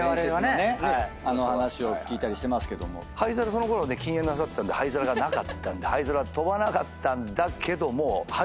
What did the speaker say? そのころね禁煙なさってたんで灰皿がなかったんで灰皿は飛ばなかったんだけども。